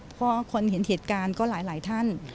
เพราะเห็นเหตุการณ์เผ็ดท่าน